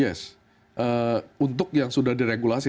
yes untuk yang sudah diregulasi